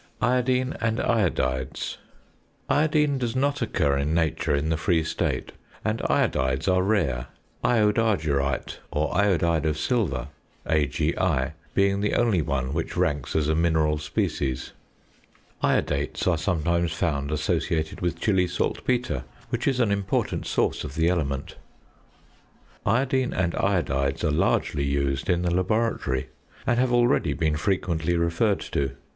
IODINE AND IODIDES. Iodine does not occur in nature in the free state; and iodides are rare, iodargyrite or iodide of silver (AgI) being the only one which ranks as a mineral species. Iodates are found associated with Chili saltpetre, which is an important source of the element. Iodine and Iodides are largely used in the laboratory, and have already been frequently referred to.